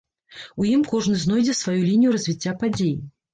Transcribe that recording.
У ім кожны знойдзе сваю лінію развіцця падзей.